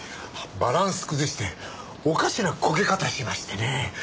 バランス崩しておかしなコケ方しましてね。